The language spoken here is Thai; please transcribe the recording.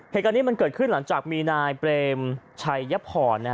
เหตุการณ์นี้มันเกิดขึ้นหลังจากมีนายเปรมชัยพร